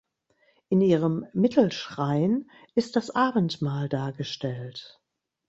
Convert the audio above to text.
In ihrem Mittelschrein ist das Abendmahl dargestellt.